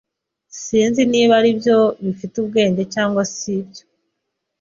Sinzi niba aribyo bifite ubwenge cyangwa sibyo.